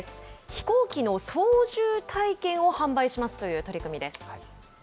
飛行機の操縦体験を販売しますという取り組みです。